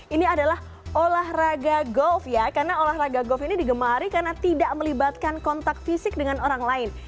ini adalah olahraga golf ya karena olahraga golf ini digemari karena tidak melibatkan kontak fisik dengan orang lain